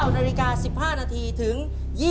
๑๙น๑๕นถึง